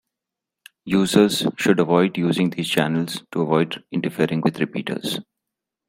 Users should avoid using these channels to avoid interfering with repeaters.